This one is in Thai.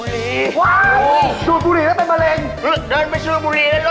สวัสดีครับ